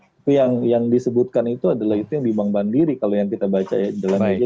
tapi yang disebutkan itu adalah itu yang di bank mandiri kalau yang kita baca ya dalam media